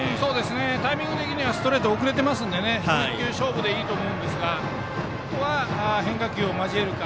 タイミング的にはストレート遅れてますのでもう１球勝負でいいと思いますがあとは変化球を交えるか。